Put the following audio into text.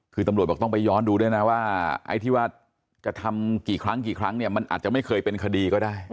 คือตำรวจบอกต้องไปย้อนดูด้วยนะว่าไอ้ที่ว่าจะทำกี่ครั้งกี่ครั้งเนี่ยมันอาจจะไม่เคยเป็นคดีก็ได้